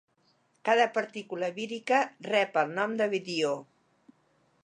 Cada partícula vírica rep el nom de virió.